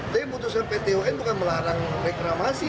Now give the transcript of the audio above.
tapi putusan pt un bukan melarang reklamasi